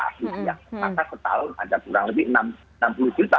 karena setahun ada kurang lebih enam puluh juta